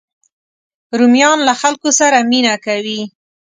رومیان له خلکو سره مینه کوي